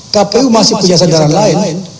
kpu masih punya sandaran lain